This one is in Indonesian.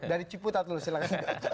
dari ciputat lo silahkan